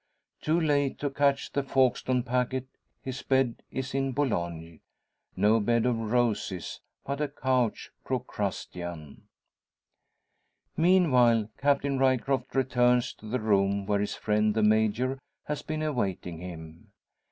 Too late to catch the Folkestone packet, his bed is in Boulogne no bed of roses but a couch Procrustean. Meanwhile, Captain Ryecroft returns to the room where his friend the Major has been awaiting him.